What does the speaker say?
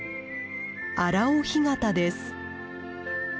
荒尾干潟です。